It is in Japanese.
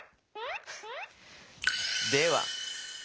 では。